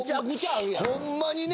ホンマにね。